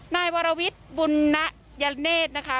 นายวรวิทย์บุญนะยะเนธนะคะ